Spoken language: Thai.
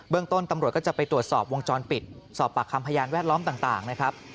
ต้นตำรวจก็จะไปตรวจสอบวงจรปิดสอบปากคำพยานแวดล้อมต่างนะครับ